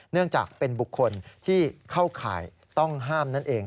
เนื่องจากเป็นบุคคลที่เข้าข่ายต้องห้ามนั่นเอง